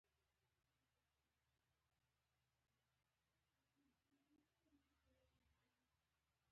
لکه د موسیقۍ یو پیاوړی استاد چې وایلون ښوروي